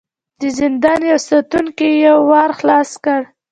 د زندان يوه ساتونکي يو ور خلاص کړ.